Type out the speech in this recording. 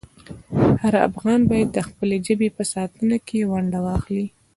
هر افغان باید د خپلې ژبې په ساتنه کې ونډه واخلي.